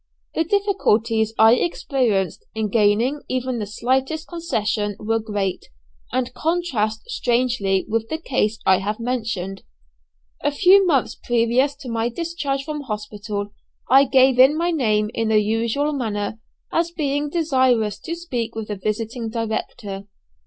The difficulties I experienced in gaining even the slightest concession were great, and contrast strangely with the case I have mentioned. A few months previous to my discharge from hospital, I gave in my name in the usual manner as being desirous to speak with the visiting director.